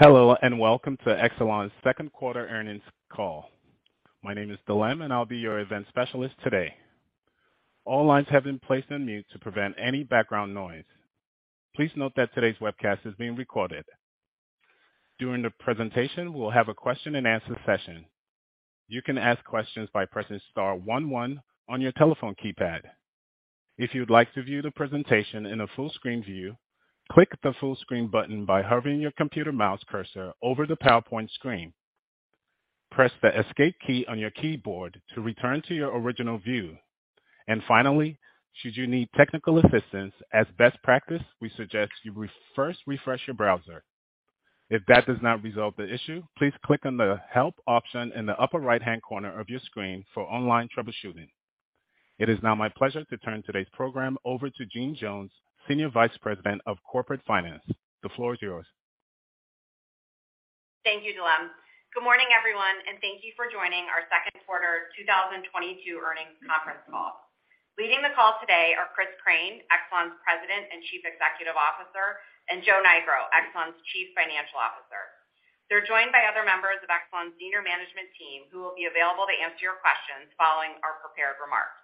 Hello, and welcome to Exelon's Q2 earnings call. My name is Dilem, and I'll be your event specialist today. All lines have been placed on mute to prevent any background noise. Please note that today's webcast is being recorded. During the presentation, we'll have a question and answer session. You can ask questions by pressing star one one on your telephone keypad. If you'd like to view the presentation in a full-screen view, click the full screen button by hovering your computer mouse cursor over the PowerPoint screen. Press the Escape key on your keyboard to return to your original view. Finally, should you need technical assistance, as best practice, we suggest you first refresh your browser. If that does not resolve the issue, please click on the Help option in the upper right-hand corner of your screen for online troubleshooting. It is now my pleasure to turn today's program over to Jeanne Jones, Senior Vice President of Corporate Finance. The floor is yours. Thank you, Dilem. Good morning, everyone, and thank you for joining our Q2 2022 earnings conference call. Leading the call today are Chris Crane, Exelon's President and Chief Executive Officer, and Joe Nigro, Exelon's Chief Financial Officer. They're joined by other members of Exelon's senior management team who will be available to answer your questions following our prepared remarks.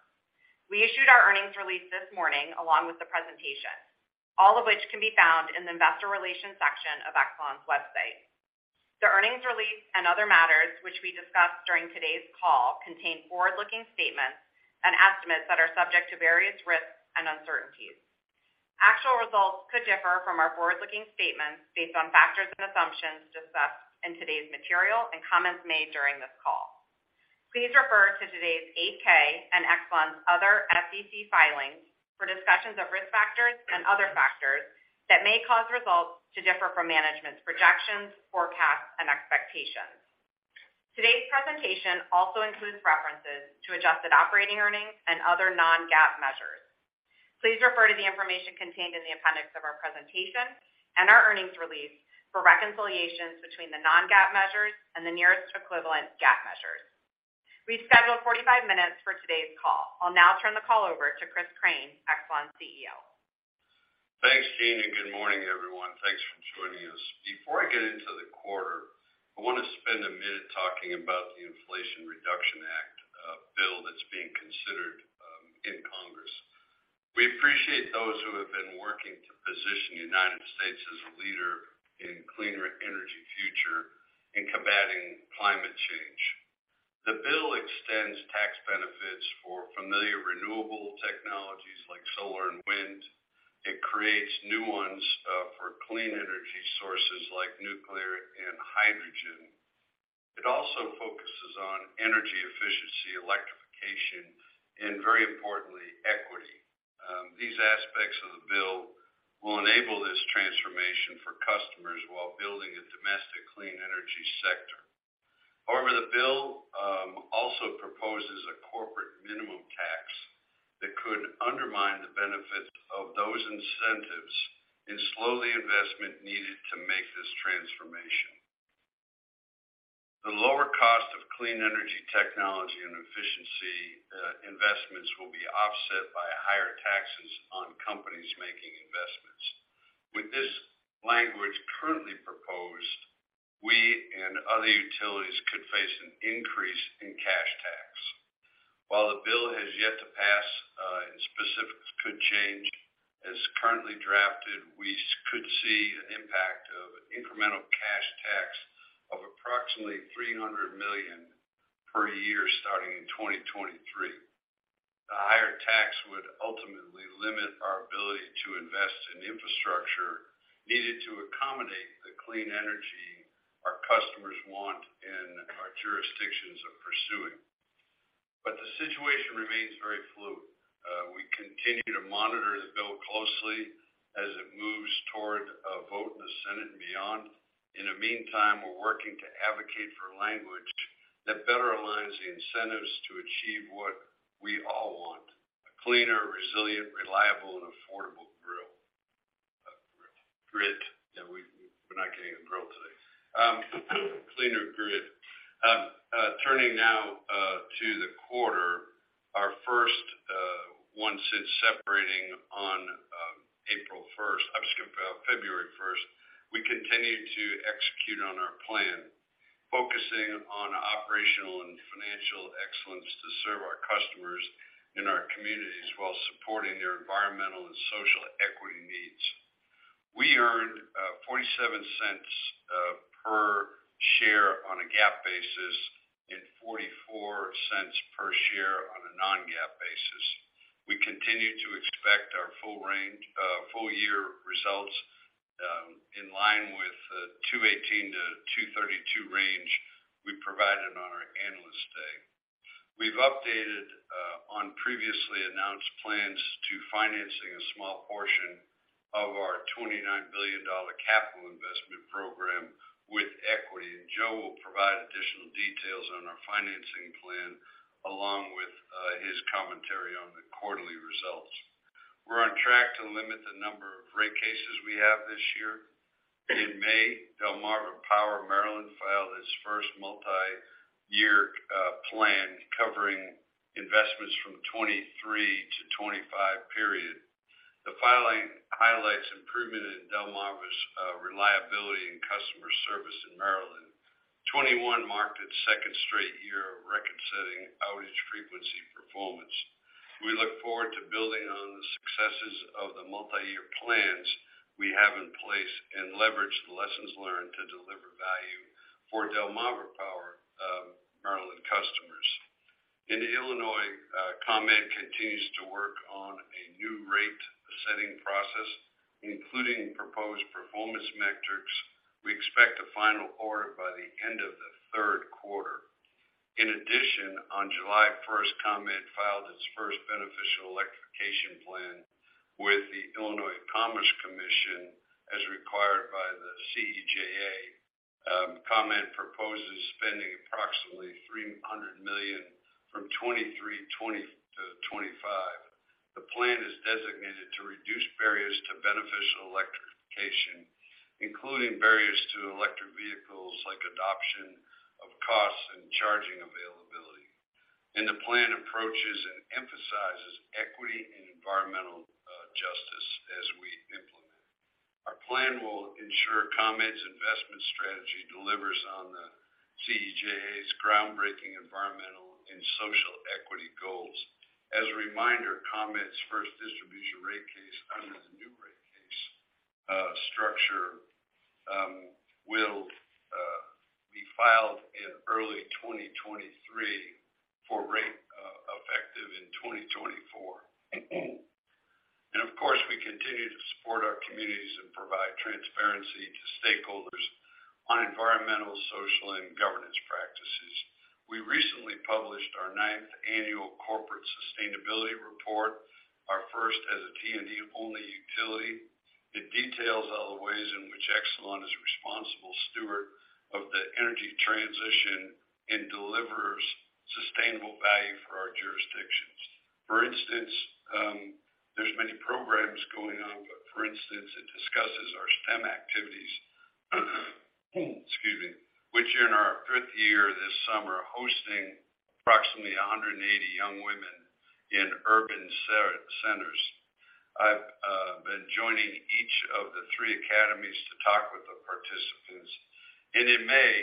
We issued our earnings release this morning, along with the presentation, all of which can be found in the investor relations section of Exelon's website. The earnings release and other matters which we discussed during today's call contain forward-looking statements and estimates that are subject to various risks and uncertainties. Actual results could differ from our forward-looking statements based on factors and assumptions discussed in today's material and comments made during this call. Please refer to today's 8-K and Exelon's other SEC filings for discussions of risk factors and other factors that may cause results to differ from management's projections, forecasts, and expectations. Today's presentation also includes references to adjusted operating earnings and other non-GAAP measures. Please refer to the information contained in the appendix of our presentation and our earnings release for reconciliations between the non-GAAP measures and the nearest equivalent GAAP measures. We've scheduled 45 minutes for today's call. I'll now turn the call over to Chris Crane, Exelon's CEO. Thanks, Jeanne, and good morning, everyone. Thanks for joining us. Before I get into the quarter, I want to spend a minute talking about the Inflation Reduction Act, a bill that's being considered in Congress. We appreciate those who have been working to position the United States as a leader in a cleaner energy future in combating climate change. The bill extends tax benefits for familiar renewable technologies like solar and wind. It creates new ones for clean energy sources like nuclear and hydrogen. It also focuses on energy efficiency, electrification, and very importantly, equity. These aspects of the bill will enable this transformation for customers while building a domestic clean energy sector. However, the bill also proposes a corporate minimum tax that could undermine the benefits of those incentives and slow the investment needed to make this transformation. The lower cost of clean energy technology and efficiency investments will be offset by higher taxes on companies making investments. With this language currently proposed, we and other utilities could face an increase in cash tax. While the bill has yet to pass and specifics could change, as currently drafted, we could see an impact of incremental cash tax of approximately $300 million per year starting in 2023. The higher tax would ultimately limit our ability to invest in infrastructure needed to accommodate the clean energy our customers want and our jurisdictions are pursuing. The situation remains very fluid. We continue to monitor the bill closely as it moves toward a vote in the Senate and beyond. In the meantime, we're working to advocate for language that better aligns the incentives to achieve what we all want, a cleaner, resilient, reliable, and affordable grid. Turning now to the quarter, our first one since separating on February first. We continue to execute on our plan, focusing on operational and financial excellence to serve our customers in our communities while supporting their environmental and social equity needs. We earned $0.47 per share on a GAAP basis and $0.44 per share on a non-GAAP basis. We continue to expect our full-year results in line with $2.18-$2.32 range we provided on our Analyst Day. We've updated on previously announced plans to financing a small portion of our $29 billion capital investment program with equity, and Joe will provide additional details on our financing plan along with his commentary on the quarterly results. We're on track to limit the number of rate cases we have this year. In May, Delmarva Power of Maryland filed its first multi-year plan covering investments from the 2023 to 2025 period. The filing highlights improvement in Delmarva's reliability and customer service in Maryland. 2021 marked its second straight year of record-setting outage frequency performance. We look forward to building on the successes of the multi-year plans we have in place and leverage the lessons learned to deliver value for Delmarva Power, Maryland customers. In Illinois, ComEd continues to work on a new rate-setting process, including proposed performance metrics. We expect a final order by the end of the Q3. In addition, on July 1st, ComEd filed its first beneficial electrification plan with the Illinois Commerce Commission, as required by the CEJA. ComEd proposes spending approximately $300 million from 2023 to 2025. The plan is designed to reduce barriers to beneficial electrification, including barriers to electric vehicles like adoption, costs and charging availability. The plan approaches and emphasizes equity and environmental justice as we implement. Our plan will ensure ComEd's investment strategy delivers on the CEJA's groundbreaking environmental and social equity goals. As a reminder, ComEd's first distribution rate case under the new rate case structure will be filed in early 2023 for rates effective in 2024. Of course, we continue to support our communities and provide transparency to stakeholders on environmental, social, and governance practices. We recently published our ninth annual corporate sustainability report, our first as a T&D-only utility. It details all the ways in which Exelon is a responsible steward of the energy transition and delivers sustainable value for our jurisdictions. For instance, there's many programs going on, but for instance, it discusses our STEM activities, excuse me, which are in our fifth year this summer, hosting approximately 180 young women in urban centers. I've been joining each of the three academies to talk with the participants. In May,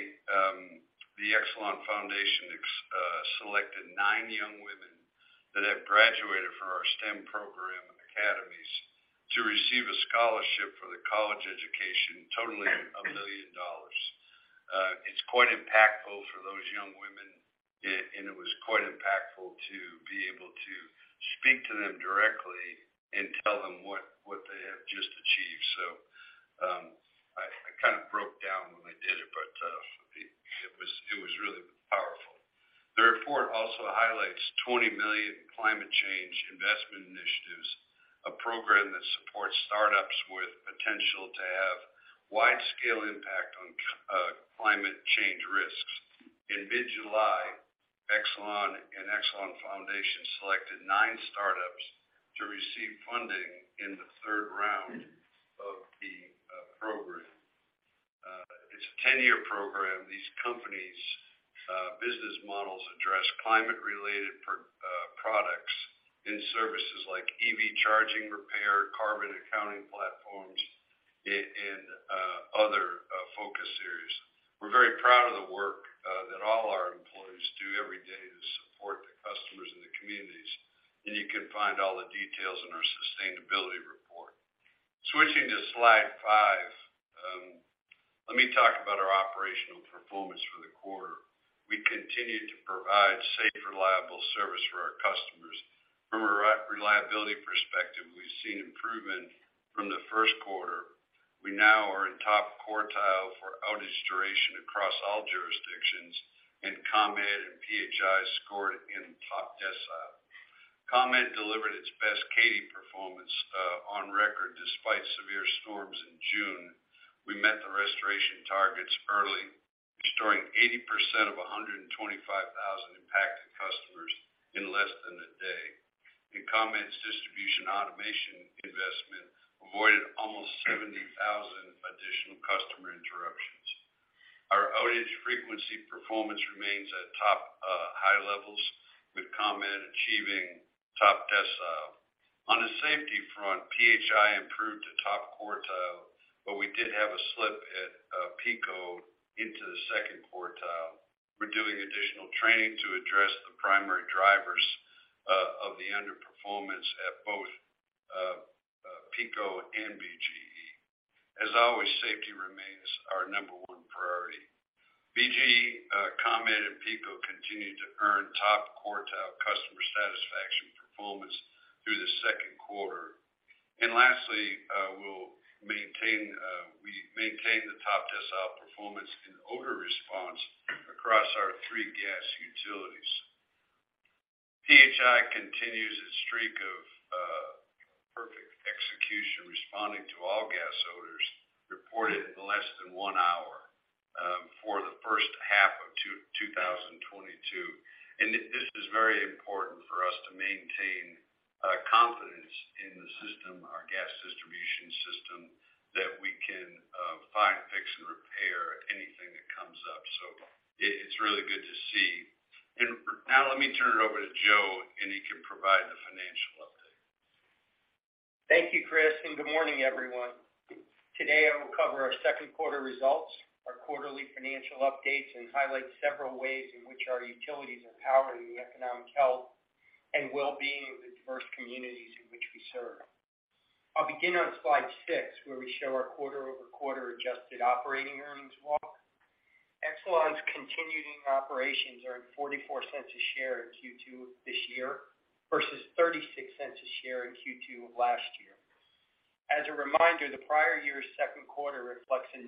the Exelon Foundation selected nine young women that have graduated from our STEM program and academies to receive a scholarship for their college education totaling $1 million. It's quite impactful for those young women, and it was quite impactful to be able to speak to them directly and tell them what they have just achieved. I kind of broke down when we did it, but it was really powerful. The report also highlights 20 million climate change investment initiatives, a program that supports startups with potential to have wide-scale impact on climate change risks. In mid-July, Exelon and Exelon Foundation selected 9 startups to receive funding in the third round of the program. It's a 10-year program. These companies' business models address climate-related products and services like EV charging repair, carbon accounting platforms, and other focus areas. We're very proud of the work that all our employees do every day to support the customers and the communities, and you can find all the details in our sustainability report. Switching to slide five, let me talk about our operational performance for the quarter. We continue to provide safe, reliable service for our customers. From a reliability perspective, we've seen improvement from the Q1. We now are in top quartile for outage duration across all jurisdictions, and ComEd and PHI scored in top decile. ComEd delivered its best CAIDI performance on record despite severe storms in June. We met the restoration targets early, restoring 80% of 125,000 impacted customers in less than a day. ComEd's distribution automation investment avoided almost 70,000 additional customer interruptions. Our outage frequency performance remains at top high levels, with ComEd achieving top decile. On the safety front, PHI improved to top quartile, but we did have a slip at PECO into the second quartile. We're doing additional training to address the primary drivers of the underperformance at both PECO and BGE. As always, safety remains our number one priority. BGE, ComEd, and PECO continue to earn top quartile customer satisfaction performance through the Q2. Lastly, we maintain the top decile performance in odor response across our three gas utilities. PHI continues its streak of perfect execution, responding to all gas odors reported in less than one hour for the first half of 2022. This is very important for us to maintain confidence in the system, our gas distribution system, that we can. It's really good to see. Now let me turn it over to Joe, and he can provide the financial update. Thank you, Chris, and good morning, everyone. Today, I will cover our Q2 results, our quarterly financial updates, and highlight several ways in which our utilities are powering the economic health and well-being of the diverse communities in which we serve. I'll begin on slide six, where we show our quarter-over-quarter adjusted operating earnings walk. Exelon's continuing operations earned $0.44 a share in Q2 this year versus $0.36 a share in Q2 of last year. As a reminder, the prior year's Q2 reflects a $0.09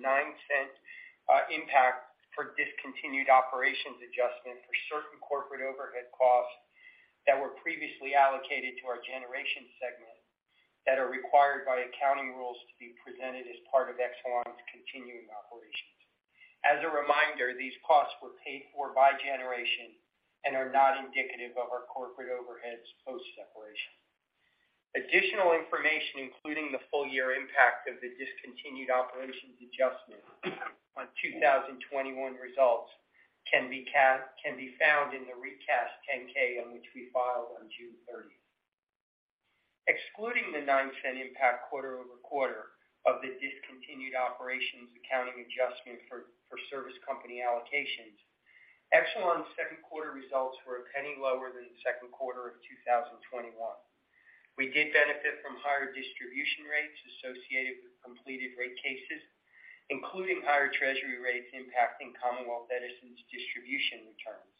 impact for discontinued operations adjustment for certain corporate overhead costs that were previously allocated to our generation segment that are required by accounting rules to be presented as part of Exelon's continuing operations. As a reminder, these costs were paid for by generation and are not indicative of our corporate overheads post-separation. Additional information, including the full-year impact of the discontinued operations adjustment on 2021 results, can be found in the recast 10-K on which we filed on June 30. Excluding the $0.09 impact quarter-over-quarter of the discontinued operations accounting adjustment for service company allocations, Exelon's Q2 results were $0.01 lower than the Q2 of 2021. We did benefit from higher distribution rates associated with completed rate cases, including higher Treasury rates impacting Commonwealth Edison's distribution returns.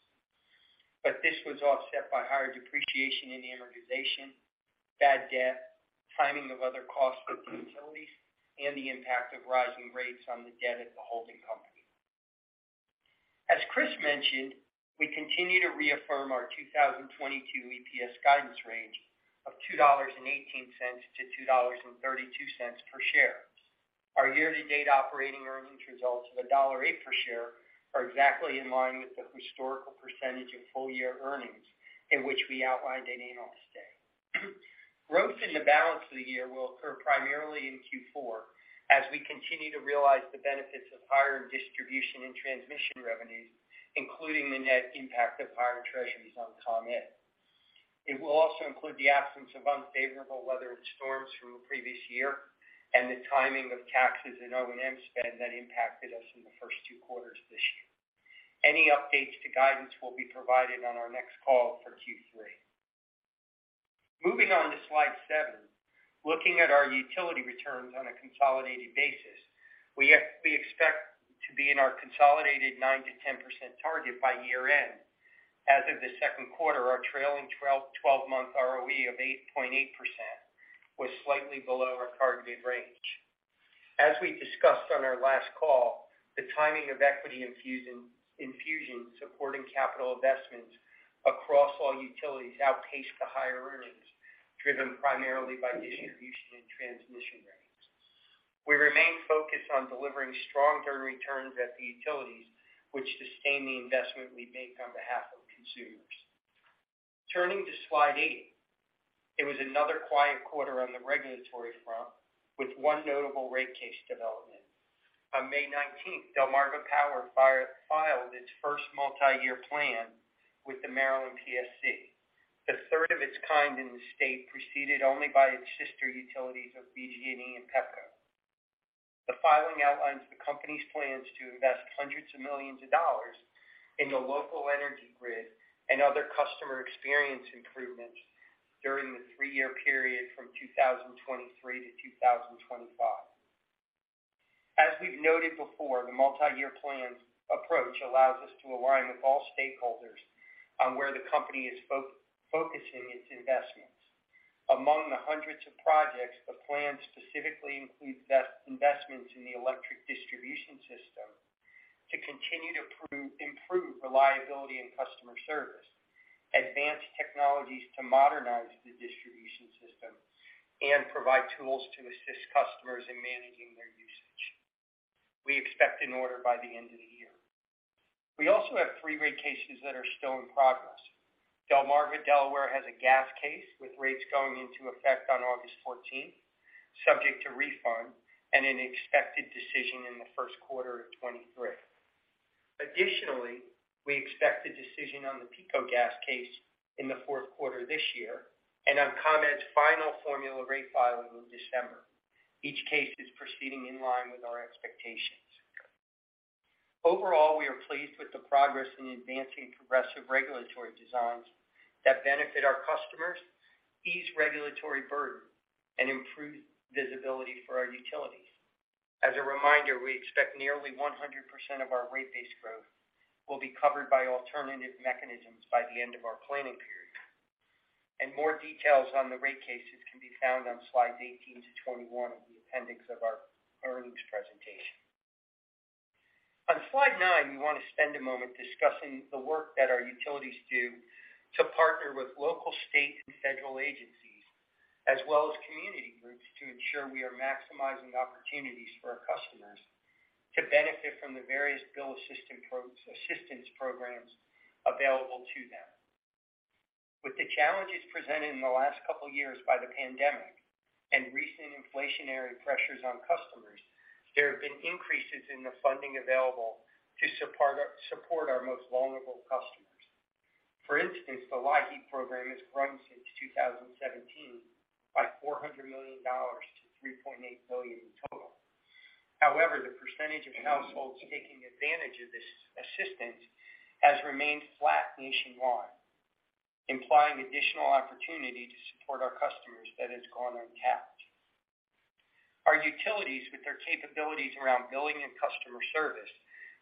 This was offset by higher depreciation and amortization, bad debt, timing of other costs for the utilities, and the impact of rising rates on the debt at the holding company. As Chris mentioned, we continue to reaffirm our 2022 EPS guidance range of $2.18-$2.32 per share. Our year-to-date operating earnings results of $1.08 per share are exactly in line with the historical percentage of full-year earnings in which we outlined at Analyst Day. Growth in the balance of the year will occur primarily in Q4 as we continue to realize the benefits of higher distribution and transmission revenues, including the net impact of higher Treasuries on ComEd. It will also include the absence of unfavorable weather and storms from the previous year and the timing of taxes and O&M spend that impacted us in the first two quarters this year. Any updates to guidance will be provided on our next call for Q3. Moving on to slide seven. Looking at our utility returns on a consolidated basis, we expect to be in our consolidated 9%-10% target by year-end. As of the Q2, our trailing twelve-month ROE of 8.8% was slightly below our targeted range. As we discussed on our last call, the timing of equity infusions supporting capital investments across all utilities outpaced the higher earnings, driven primarily by distribution and transmission rates. We remain focused on delivering strong returns at the utilities, which sustain the investment we make on behalf of consumers. Turning to slide eight. It was another quiet quarter on the regulatory front, with one notable rate case development. On May 19th, Delmarva Power filed its first multi-year plan with the Maryland PSC, the third of its kind in the state, preceded only by its sister utilities of BGE and Pepco. The filing outlines the company's plans to invest hundreds of millions of dollars in the local energy grid and other customer experience improvements during the three-year period from 2023 to 2025. As we've noted before, the multi-year plan approach allows us to align with all stakeholders on where the company is focusing its investments. Among the hundreds of projects, the plan specifically includes investments in the electric distribution system to continue to improve reliability and customer service, advance technologies to modernize the distribution system, and provide tools to assist customers in managing their usage. We expect an order by the end of the year. We also have three rate cases that are still in progress. Delmarva Delaware has a gas case, with rates going into effect on August 14th, subject to refund and an expected decision in the Q1 of 2023. Additionally, we expect a decision on the PECO gas case in the Q4 this year and on ComEd's final formula rate filing in December. Each case is proceeding in line with our expectations. Overall, we are pleased with the progress in advancing progressive regulatory designs that benefit our customers, ease regulatory burden, and improve visibility for our utilities. As a reminder, we expect nearly 100% of our rate-based growth will be covered by alternative mechanisms by the end of our planning period. More details on the rate cases can be found on slides 18-21 of the appendix of our earnings presentation. On slide nine, we want to spend a moment discussing the work that our utilities do to partner with local, state, and federal agencies, as well as community groups, to ensure we are maximizing opportunities for our customers to benefit from the various bill assistance programs available to them. With the challenges presented in the last couple years by the pandemic and recent inflationary pressures on customers, there have been increases in the funding available to support our most vulnerable customers. For instance, the LIHEAP program has grown since 2017 by $400 million-$3.8 billion in total. However, the percentage of households taking advantage of this assistance has remained flat nationwide, implying additional opportunity to support our customers that has gone untapped. Our utilities, with their capabilities around billing and customer service,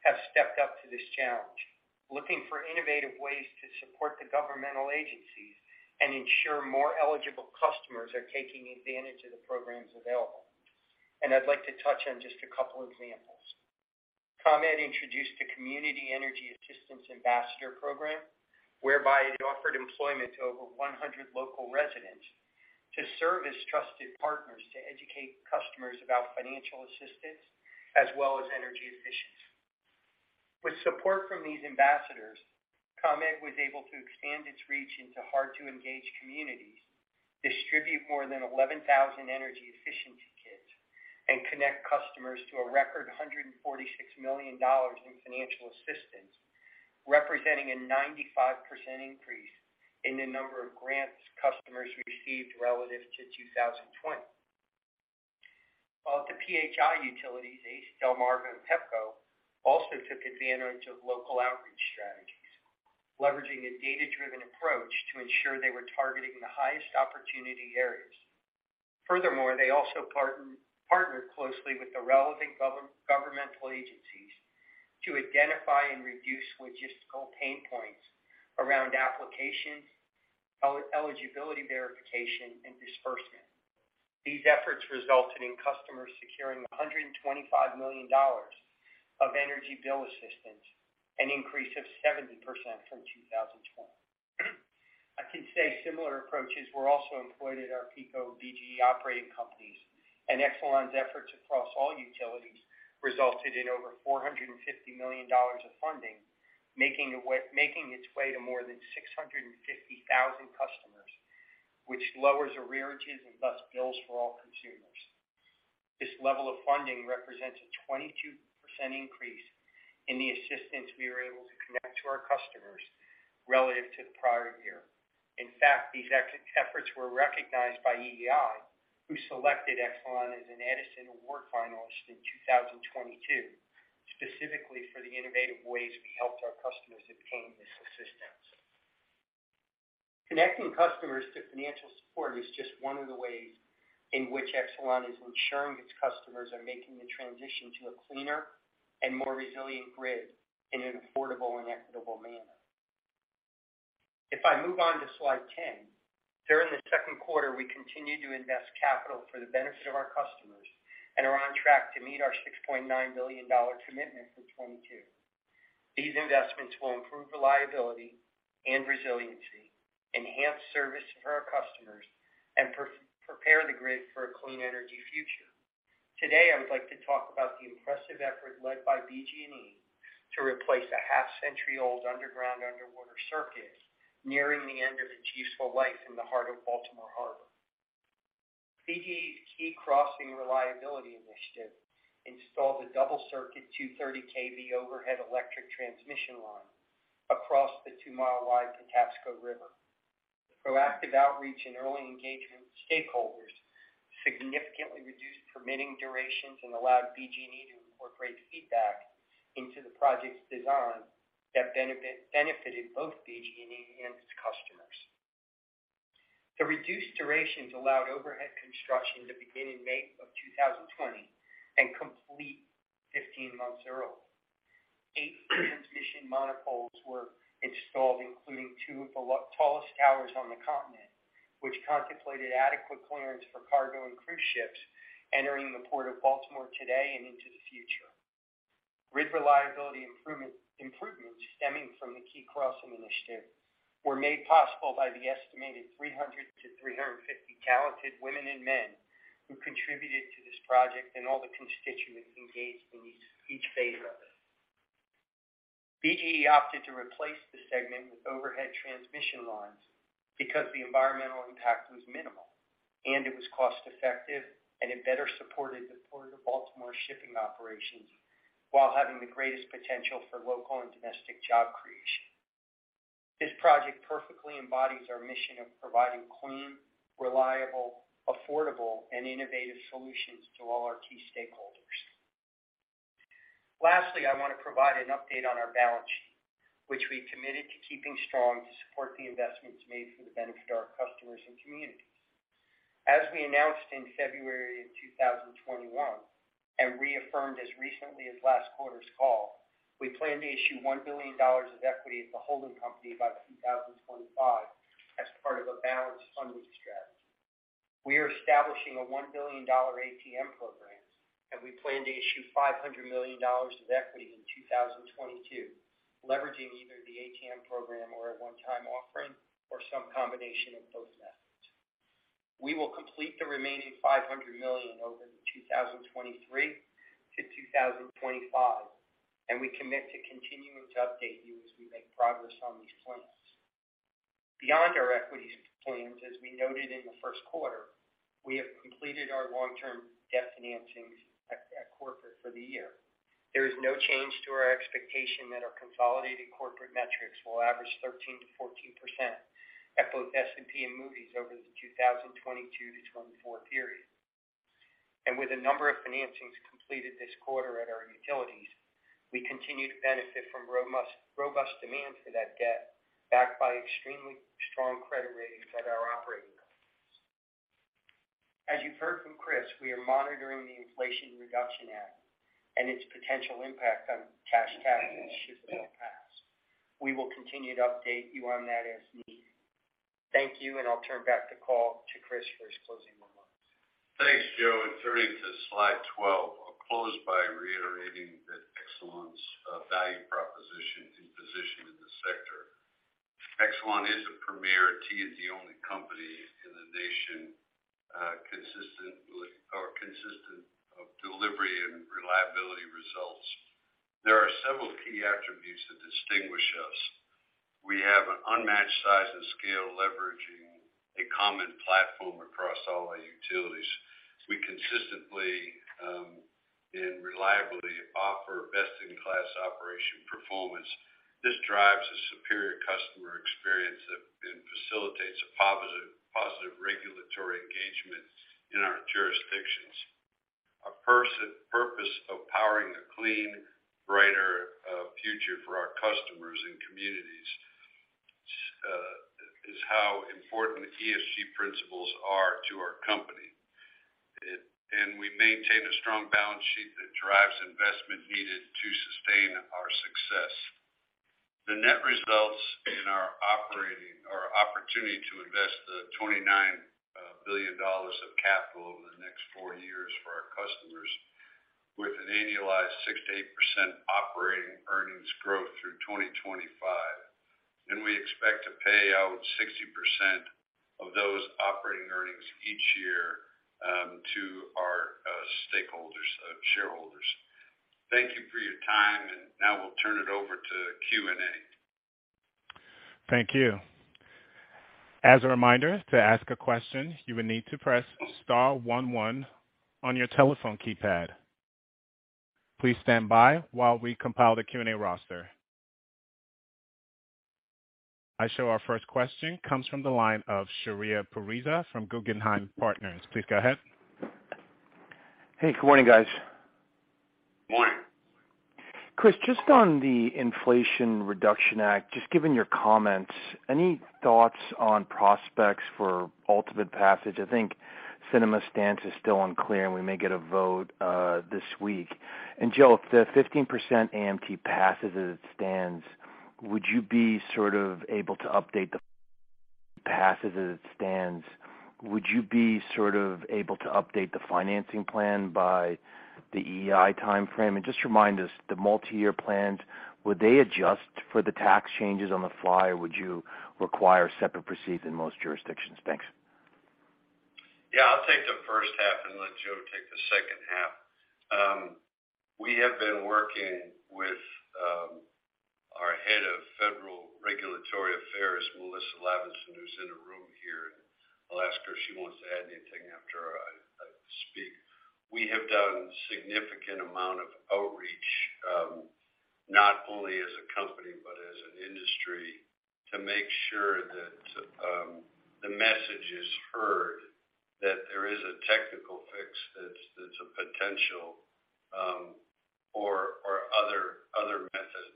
have stepped up to this challenge, looking for innovative ways to support the governmental agencies and ensure more eligible customers are taking advantage of the programs available. I'd like to touch on just a couple examples. ComEd introduced a Community Energy Assistance Ambassador program, whereby it offered employment to over 100 local residents to serve as trusted partners to educate customers about financial assistance as well as energy efficiency. With support from these ambassadors, ComEd was able to expand its reach into hard-to-engage communities, distribute more than 11,000 energy efficiency kits, and connect customers to a record $146 million in financial assistance, representing a 95% increase in the number of grants customers received relative to 2020. While the PHI utilities ACE, Delmarva, and Pepco also took advantage of local outreach strategies, leveraging a data-driven approach to ensure they were targeting the highest opportunity areas. Furthermore, they also partnered closely with the relevant governmental agencies to identify and reduce logistical pain points around applications, eligibility verification, and disbursement. These efforts resulted in customers securing $125 million of energy bill assistance, an increase of 70% from 2020. I can say similar approaches were also employed at our PECO BGE operating companies, and Exelon's efforts across all utilities resulted in over $450 million of funding, making its way to more than 650,000 customers, which lowers arrearages and thus bills for all consumers. This level of funding represents a 22% increase in the assistance we were able to connect to our customers relative to the prior year. In fact, these efforts were recognized by EEI, who selected Exelon as an Edison Award finalist in 2022, specifically for the innovative ways we helped our customers obtain this assistance. Connecting customers to financial support is just one of the ways in which Exelon is ensuring its customers are making the transition to a cleaner and more resilient grid in an affordable and equitable manner. If I move on to slide 10, during the Q2, we continued to invest capital for the benefit of our customers and are on track to meet our $6.9 billion commitment for 2022. These investments will improve reliability and resiliency, enhance service for our customers, and prepare the grid for a clean energy future. Today, I would like to talk about the impressive effort led by BGE to replace a half-century-old underwater circuit nearing the end of its useful life in the heart of Baltimore Harbor. BGE's Key Crossing Reliability Initiative installed a double circuit 230 kV overhead electric transmission line across the 2-mile-wide Patapsco River. Proactive outreach and early engagement with stakeholders significantly reduced permitting durations and allowed BGE to incorporate feedback into the project's design that benefited both BGE and its customers. The reduced durations allowed overhead construction to begin in May of 2020 and complete 15 months early. Eight transmission monopoles were installed, including two of the tallest towers on the continent, which contemplated adequate clearance for cargo and cruise ships entering the Port of Baltimore today and into the future. Grid reliability improvements stemming from the Key Crossing Reliability Initiative were made possible by the estimated 300 to 350 talented women and men who contributed to this project and all the constituents engaged in each phase of it. BGE opted to replace the segment with overhead transmission lines because the environmental impact was minimal, and it was cost-effective, and it better supported the Port of Baltimore shipping operations while having the greatest potential for local and domestic job creation. This project perfectly embodies our mission of providing clean, reliable, affordable, and innovative solutions to all our key stakeholders. Lastly, I want to provide an update on our balance sheet, which we've committed to keeping strong to support the investments made for the benefit of our customers and communities. As we announced in February of 2021 and reaffirmed as recently as last quarter's call, we plan to issue $1 billion of equity at the holding company by 2025 as part of a balanced funding strategy. We are establishing a $1 billion ATM program, and we plan to issue $500 million of equity in 2022, leveraging either the ATM program or a one-time offering or some combination. We will complete the remaining $500 million over the 2023 to 2025, and we commit to continuing to update you as we make progress on these plans. Beyond our equities plans, as we noted in the Q1, we have completed our long-term debt financings at corporate for the year. There is no change to our expectation that our consolidated corporate metrics will average 13%-14% at both S&P and Moody's over the 2022 to 2024 period. With a number of financings completed this quarter at our utilities, we continue to benefit from robust demand for that debt, backed by extremely strong credit ratings at our operating companies. As you've heard from Chris, we are monitoring the Inflation Reduction Act and its potential impact on cash tax initiatives in the past. We will continue to update you on that as needed. Thank you, and I'll turn back the call to Chris for his closing remarks. Thanks, Joe. Turning to slide 12, I'll close by reiterating that Exelon's value proposition and position in the sector. Exelon is a premier T&D-only company in the nation, consistent delivery and reliability results. There are several key attributes that distinguish us. We have an unmatched size and scale, leveraging a common platform across all our utilities. We consistently and reliably offer best-in-class operation performance. This drives a superior customer experience and facilitates a positive regulatory engagement in our jurisdictions. Our purpose of powering a clean, brighter future for our customers and communities is how important ESG principles are to our company. We maintain a strong balance sheet that drives investment needed to sustain our success. The net result is our opportunity to invest the $29 billion of capital over the next four years for our customers with an annualized 6%-8% operating earnings growth through 2025. We expect to pay out 60% of those operating earnings each year to our stakeholders, shareholders. Thank you for your time. Now we'll turn it over to Q&A. Thank you. As a reminder, to ask a question, you will need to press star one one on your telephone keypad. Please stand by while we compile the Q&A roster. Our first question comes from the line of Shahriar Pourreza from Guggenheim Partners. Please go ahead. Hey, good morning, guys. Morning. Chris, just on the Inflation Reduction Act, just given your comments, any thoughts on prospects for ultimate passage? I think Sinema's stance is still unclear, and we may get a vote this week. Joe, if the 15% AMT passes as it stands, would you be sort of able to update the financing plan by the EEI timeframe? Just remind us, the multi-year plans, would they adjust for the tax changes on the fly, or would you require separate proceeds in most jurisdictions? Thanks. Yeah. I'll take the first half and let Joe take the second half. We have been working with our head of federal regulatory affairs, Melissa Lavinson, who's in the room here, and I'll ask her if she wants to add anything after I speak. We have done significant amount of outreach, not only as a company but as an industry, to make sure that the message is heard, that there is a technical fix that's a potential, or other methods.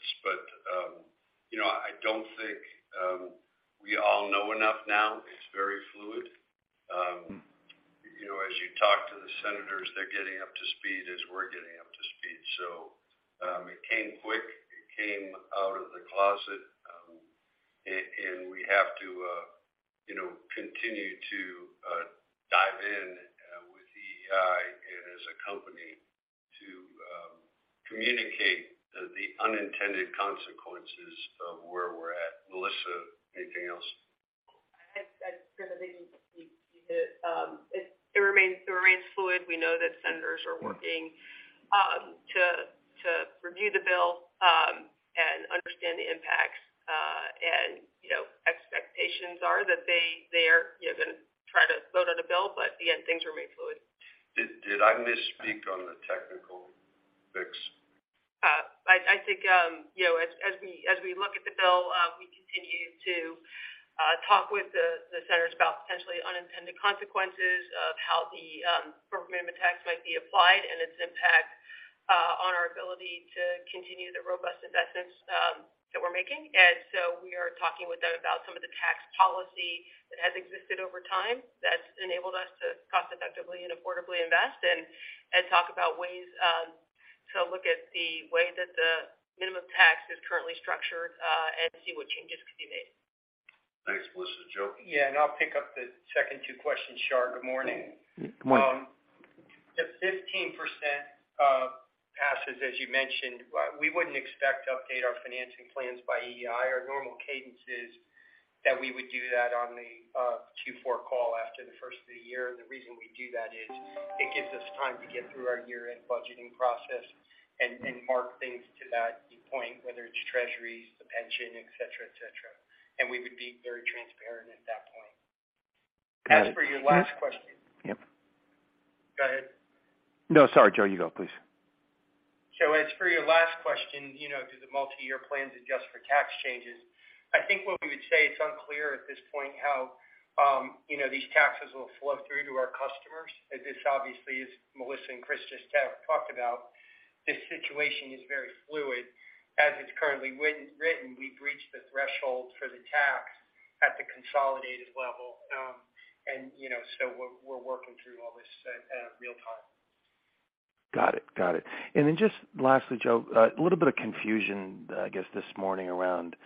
You know, I don't think we all know enough now. It's very fluid. You know, as you talk to the senators, they're getting up to speed as we're getting up to speed. It came quick, it came out of the closet. We have to, you know, continue to dive in with EEI and as a company to communicate the unintended consequences of where we're at. Melissa, anything else? I agree with everything you said. It remains fluid. We know that senators are working to review the bill and understand the impacts. You know, expectations are that they are you know, going to try to vote on a bill, but again, things remain fluid. Did I misspeak on the technical fix? I think, you know, as we look at the bill, we continue to talk with the senators about potentially unintended consequences of how the corporate minimum tax might be applied and its impact on our ability to continue the robust investments that we're making. We are talking with them about some of the tax policy that has existed over time that's enabled us to cost-effectively and affordably invest and talk about ways to look at the way that the minimum tax is currently structured and see what changes could be made. Thanks, Melissa. Joe? Yeah. I'll pick up the second two questions, Shahriar. Good morning. Good morning. As you mentioned, we wouldn't expect to update our financing plans by EEI. Our normal cadence is that we would do that on the Q4 call after the first of the year. The reason we do that is it gives us time to get through our year-end budgeting process and mark things to that point, whether it's treasuries, the pension, et cetera, et cetera. We would be very transparent at that point. As for your last question. Yep. Go ahead. No, sorry, Joe, you go, please. As for your last question, you know, do the multi-year plans adjust for tax changes? I think what we would say, it's unclear at this point how, you know, these taxes will flow through to our customers as this obviously is Melissa and Chris just have talked about. This situation is very fluid. As it's currently written, we've reached the threshold for the tax at the consolidated level. You know, we're working through all this real time. Got it. Just lastly, Joe, a little bit of confusion, I guess, this morning around the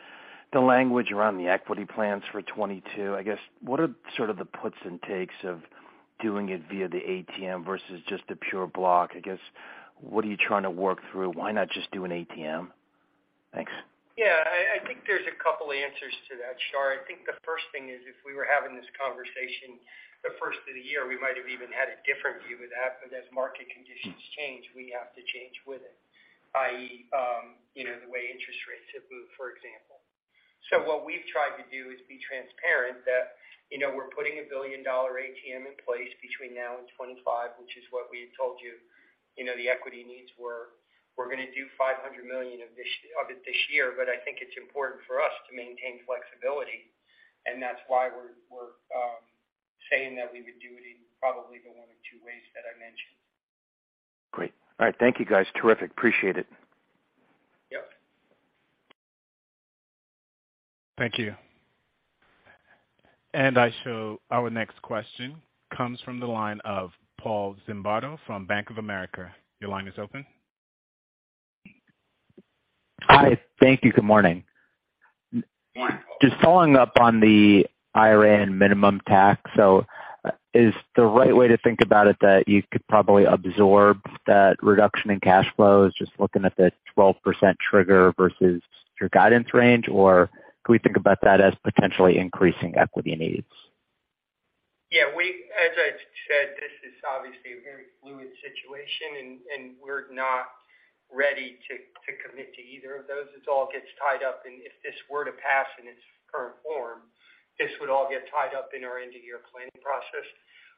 language around the equity plans for 2022. I guess, what are sort of the puts and takes of doing it via the ATM versus just a pure block? I guess, what are you trying to work through? Why not just do an ATM? Thanks. Yeah, I think there's a couple of answers to that, Shahriar. I think the first thing is if we were having this conversation the first of the year, we might have even had a different view of that. As market conditions change, we have to change with it, i.e., you know, the way interest rates have moved, for example. What we've tried to do is be transparent that, you know, we're putting a $1 billion ATM in place between now and 2025, which is what we had told you know, the equity needs were. We're going to do $500 million of this, of it this year, but I think it's important for us to maintain flexibility, and that's why we're saying that we would do it in probably one of two ways that I mentioned. Great. All right. Thank you, guys. Terrific. Appreciate it. Yep. Thank you. Our next question comes from the line of Paul Zimbardo from Bank of America. Your line is open. Hi. Thank you. Good morning. Good morning, Paul. Just following up on the IRA minimum tax. Is the right way to think about it that you could probably absorb that reduction in cash flows just looking at the 12% trigger versus your guidance range? Or can we think about that as potentially increasing equity needs? Yeah, as I said, this is obviously a very fluid situation and we're not ready to commit to either of those. This all gets tied up, and if this were to pass in its current form, this would all get tied up in our end-of-year planning process.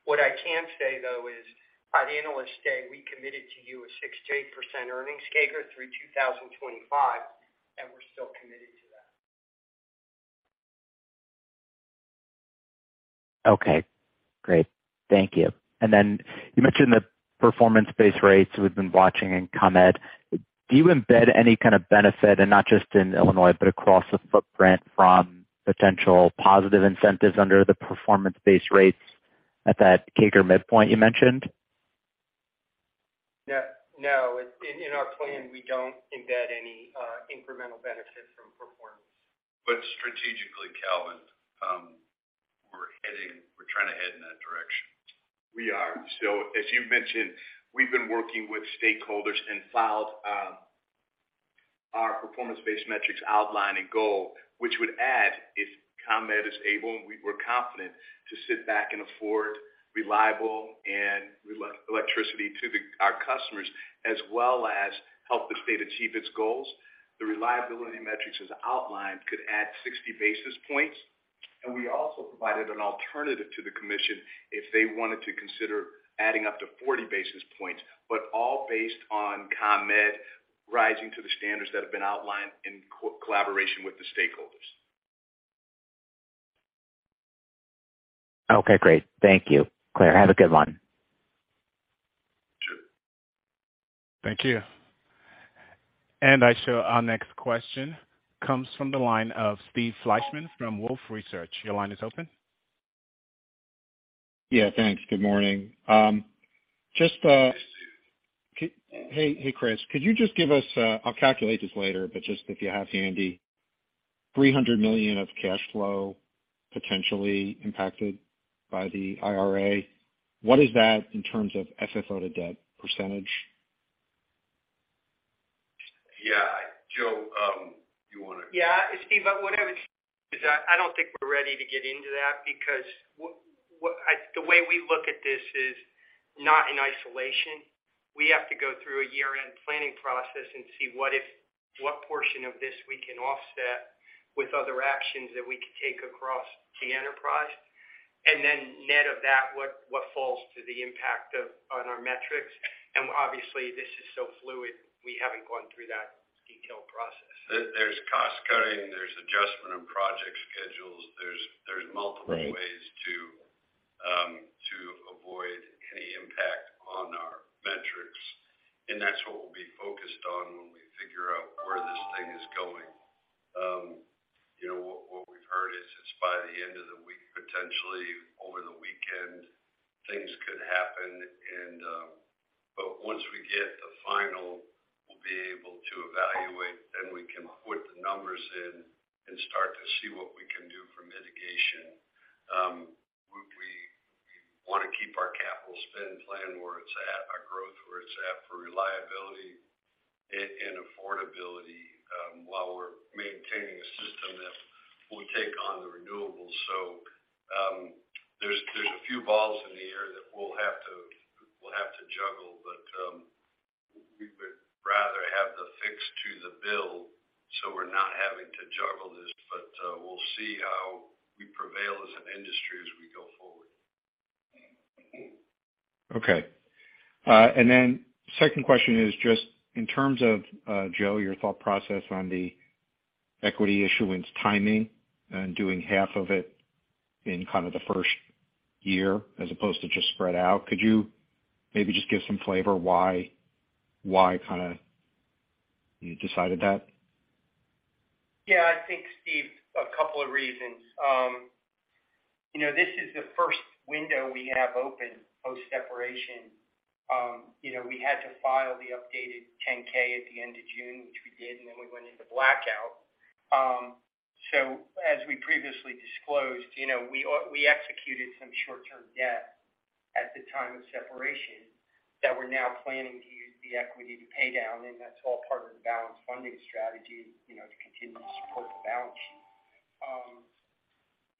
What I can say, though, is by the Analyst Day, we committed to you a 6%-8% earnings CAGR through 2025, and we're still committed to that. Okay, great. Thank you. You mentioned the performance-based rates we've been watching in ComEd. Do you embed any kind of benefit, and not just in Illinois, but across the footprint from potential positive incentives under the performance-based rates at that CAGR midpoint you mentioned? No. In our plan, we don't embed any incremental benefit from performance. Strategically, Calvin, we're trying to head in that direction. We are. As you mentioned, we've been working with stakeholders and filed our performance-based metrics outline and goal, which would add if ComEd is able to provide affordable, reliable electricity to our customers, as well as help the state achieve its goals. The reliability metrics as outlined could add 60 basis points. We also provided an alternative to the commission if they wanted to consider adding up to 40 basis points, but all based on ComEd rising to the standards that have been outlined in collaboration with the stakeholders. Okay, great. Thank you. Alright, have a good one. Sure. Thank you. Our next question comes from the line of Steve Fleishman from Wolfe Research. Your line is open. Yeah, thanks. Good morning. Good afternoon. Hey, Chris, could you just give us, I'll calculate this later, but just if you have handy, $300 million of cash flow potentially impacted by the IRA, what is that in terms of FFO to debt percentage? Yeah. Joe, you wanna- Yeah. Steve, what I would say is I don't think we're ready to get into that because the way we look at this is not in isolation. We have to go through a year-end planning process and see what portion of this we can offset with other actions that we could take across the enterprise. Then net of that, what falls to the impact on our metrics. Obviously, this is so fluid, we haven't gone through that detailed process. There's cost cutting, there's adjustment of project schedules. There's multiple- Right. ways to avoid any impact on our metrics, and that's what we'll be focused on when we figure out where this thing is going. You know, what we've heard is it's by the end of the week, potentially over the weekend, things could happen, but once we get the final, we'll be able to evaluate, then we can put the numbers in and start to see what we got. Our capital spend plan, where it's at, our growth, where it's at for reliability and affordability, while we're maintaining a system that will take on the renewables. There's a few balls in the air that we'll have to juggle. We would rather have the fix to the bill, so we're not having to juggle this. We'll see how we prevail as an industry as we go forward. Okay. Second question is just in terms of Joe, your thought process on the equity issuance timing and doing half of it in kind of the first year as opposed to just spread out. Could you maybe just give some flavor why kind of you decided that? Yeah, I think, Steve, a couple of reasons. You know, this is the first window we have open post-separation. You know, we had to file the updated 10-K at the end of June, which we did, and then we went into blackout. As we previously disclosed, you know, we executed some short-term debt at the time of separation that we're now planning to use the equity to pay down, and that's all part of the balanced funding strategy, you know, to continue to support the balance sheet.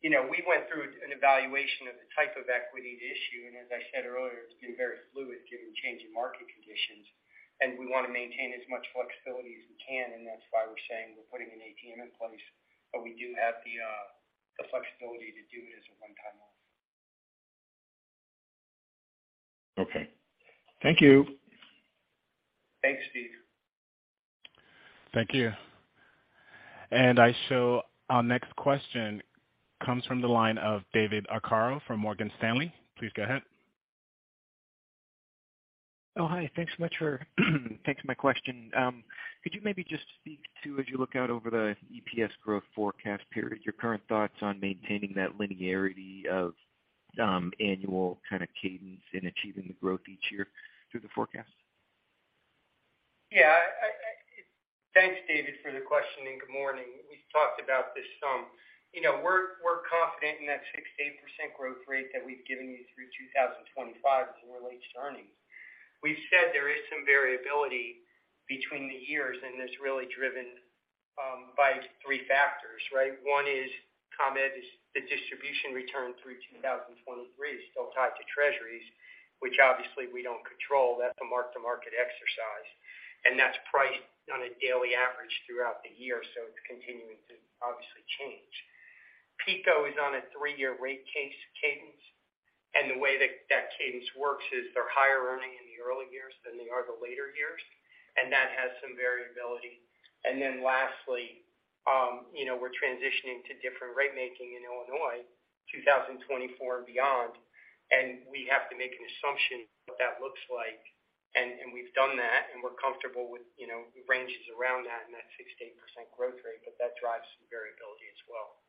You know, we went through an evaluation of the type of equity to issue, and as I said earlier, it's been very fluid given changing market conditions, and we want to maintain as much flexibility as we can, and that's why we're saying we're putting an ATM in place. We do have the flexibility to do it as a one-time offer. Okay. Thank you. Thanks, Steve. Thank you. I show our next question comes from the line of David Arcaro from Morgan Stanley. Please go ahead. Oh, hi. Thanks so much for taking my question. Could you maybe just speak to, as you look out over the EPS growth forecast period, your current thoughts on maintaining that linearity of, annual kind of cadence in achieving the growth each year through the forecast? Thanks, David, for the question and good morning. We've talked about this some. You know, we're confident in that 6%-8% growth rate that we've given you through 2025 as it relates to earnings. We've said there is some variability between the years, and it's really driven by three factors, right? One is ComEd is the distribution return through 2023 is still tied to Treasuries, which obviously we don't control. That's a mark-to-market exercise, and that's priced on a daily average throughout the year, so it's continuing to obviously change. PECO is on a three-year rate case cadence, and the way that that cadence works is they're higher earning in the early years than they are the later years, and that has some variability. You know, we're transitioning to different rate making in Illinois, 2024 and beyond, and we have to make an assumption what that looks like. We've done that, and we're comfortable with, you know, ranges around that and that 6%-8% growth rate, but that drives some variability as well.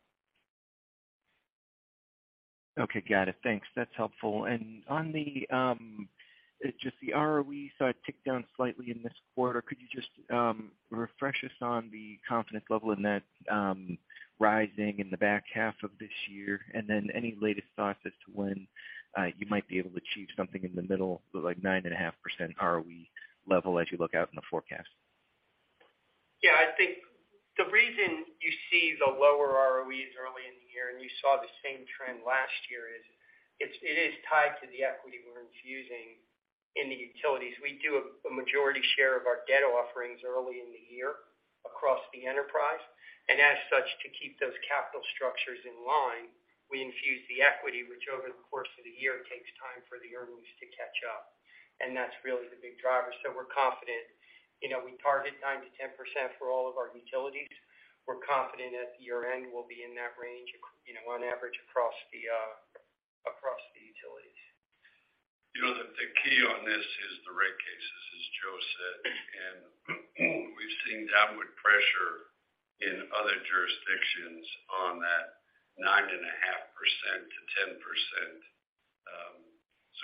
Okay. Got it. Thanks. That's helpful. On the just the ROE side ticked down slightly in this quarter. Could you just refresh us on the confidence level in that rising in the back half of this year? Any latest thoughts as to when you might be able to achieve something in the middle, like 9.5% ROE level as you look out in the forecast? Yeah, I think the reason you see the lower ROEs early in the year and you saw the same trend last year is it is tied to the equity we're infusing in the utilities. We do a majority share of our debt offerings early in the year across the enterprise. As such, to keep those capital structures in line, we infuse the equity, which over the course of the year takes time for the earnings to catch up. That's really the big driver. We're confident. You know, we target 9%-10% for all of our utilities. We're confident at year-end we'll be in that range, you know, on average across the utilities. You know, the key on this is the rate cases, as Joe said, and we've seen downward pressure in other jurisdictions on that 9.5%-10%.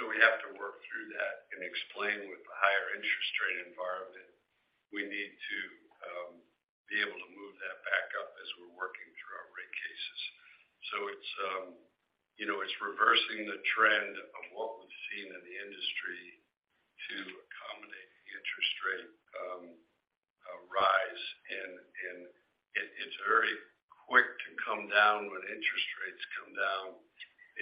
We have to work through that and explain with the higher interest rate environment, we need to be able to move that back up as we're working through our rate cases. It's, you know, it's reversing the trend of what we've seen in the industry to accommodate the interest rate rise. It's very quick to come down when interest rates come down.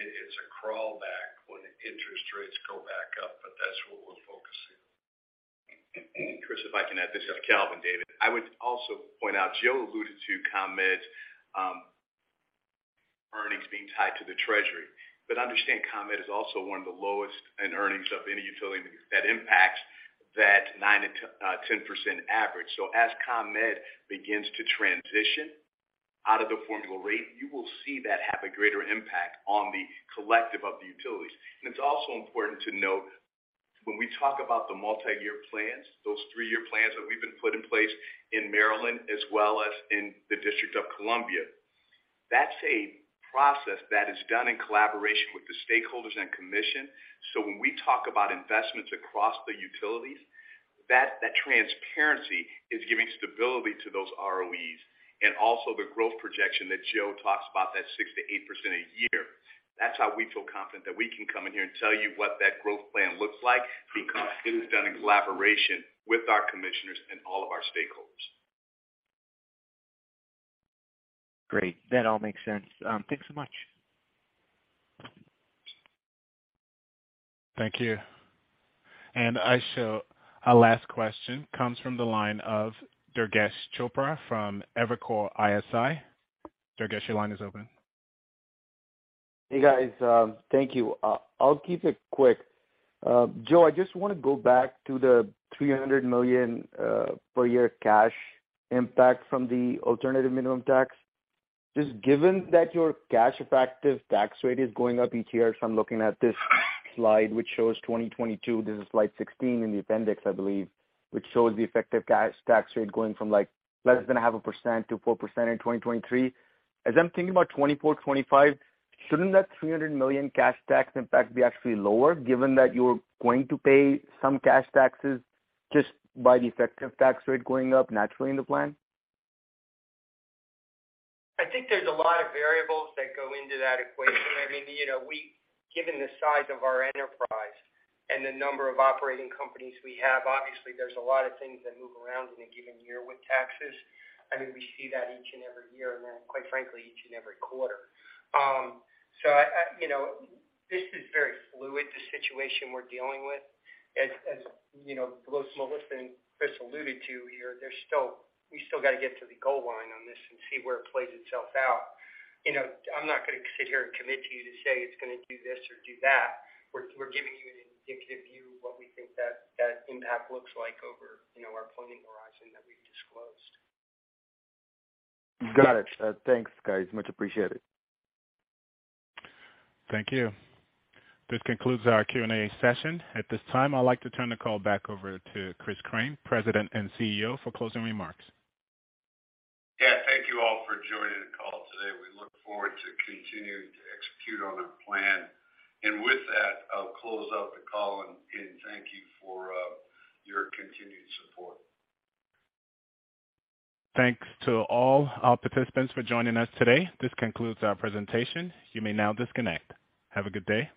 It's a crawl back when interest rates go back up, but that's what we're focusing on. Chris, if I can add. This is Calvin, David. I would also point out Joe alluded to ComEd, earnings being tied to the Treasury. Understand ComEd is also one of the lowest in earnings of any utility that impacts that 9%-10% average. As ComEd begins to transition out of the formula rate, you will see that have a greater impact on the collective of the utilities. It's also important to note when we talk about the multi-year plans, those 3-year plans that we've been put in place in Maryland as well as in the District of Columbia. That's a process that is done in collaboration with the stakeholders and commission. When we talk about investments across the utilities, that transparency is giving stability to those ROEs and also the growth projection that Joe talks about, that 6%-8% a year. That's how we feel confident that we can come in here and tell you what that growth plan looks like, because it was done in collaboration with our commissioners and all of our stakeholders. Great. That all makes sense. Thanks so much. Thank you. Our last question comes from the line of Durgesh Chopra from Evercore ISI. Durgesh, your line is open. Hey, guys, thank you. I'll keep it quick. Joe, I just wanna go back to the $300 million per year cash impact from the alternative minimum tax. Just given that your cash effective tax rate is going up each year. I'm looking at this slide which shows 2022, this is slide 16 in the appendix, I believe, which shows the effective cash tax rate going from, like, less than 0.5%-4% in 2023. As I'm thinking about 2024/2025, shouldn't that $300 million cash tax impact be actually lower, given that you're going to pay some cash taxes just by the effective tax rate going up naturally in the plan? I think there's a lot of variables that go into that equation. I mean, you know, given the size of our enterprise and the number of operating companies we have, obviously there's a lot of things that move around in a given year with taxes. I mean, we see that each and every year, and then, quite frankly, each and every quarter. So you know, this is very fluid, the situation we're dealing with. As you know, both Melissa and Chris alluded to here, we still gotta get to the goal line on this and see where it plays itself out. You know, I'm not gonna sit here and commit to you to say it's gonna do this or do that. We're giving you an indicative view of what we think that impact looks like over, you know, our planning horizon that we've disclosed. Got it. Thanks, guys. Much appreciated. Thank you. This concludes our Q&A session. At this time, I'd like to turn the call back over to Chris Crane, President and CEO, for closing remarks. Yeah. Thank you all for joining the call today. We look forward to continuing to execute on our plan. With that, I'll close out the call and thank you for your continued support. Thanks to all our participants for joining us today. This concludes our presentation. You may now disconnect. Have a good day.